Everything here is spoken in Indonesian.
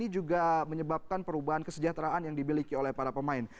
ini juga menyebabkan perubahan kesejahteraan yang dimiliki oleh para pemain